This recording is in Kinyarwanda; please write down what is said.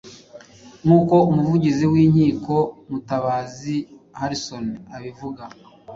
nk’uko Umuvugizi w'Inkiko Mutabazi Harrison abivuga